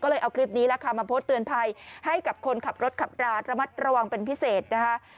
ก็เลยเอาคลิปนี้แหละค่ะมาโพสต์เตือนภัยให้กับคนขับรถขับราระมัดระวังเป็นพิเศษนะคะ